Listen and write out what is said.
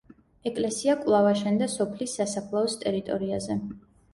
ეკლესია კვლავ აშენდა სოფლის სასაფლაოს ტერიტორიაზე.